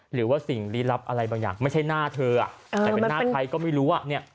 หรือว่าสิ่งลี้ลับอะไรบางอย่างไม่ใช่หน้าเธอแต่เป็นหน้าใครก็ไม่รู้อ่ะเนี่ย